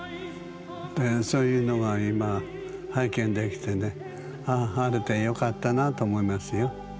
そういうのが今拝見できてねああ晴れてよかったなと思いますよ。